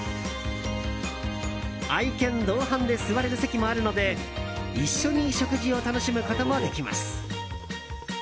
愛犬同伴で座れる席もあるので一緒に食事を楽しむこともできます。